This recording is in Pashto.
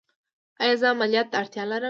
ایا زه عملیات ته اړتیا لرم؟